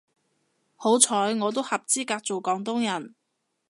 好彩我都合資格做廣東人